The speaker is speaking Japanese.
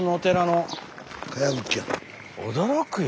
驚くよ。